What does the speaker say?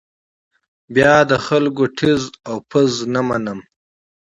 بیا د خلکو ټز او پز نه منم.